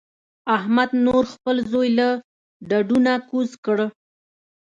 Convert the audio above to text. احمد نور خپل زوی له ډډو نه کوز کړ.